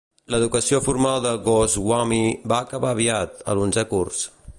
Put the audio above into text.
L'educació formal de Goswami va acabar aviat, a l'onzè curs.